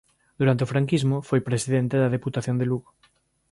Durante o franquismo foi presidente de Deputación de Lugo.